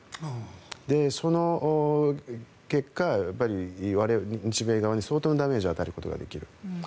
その結果、日米側に相当なダメージを与えることができる。